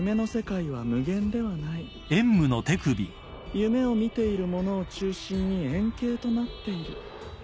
夢を見ている者を中心に円形となっている。